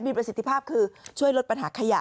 มีประสิทธิภาพคือช่วยลดปัญหาขยะ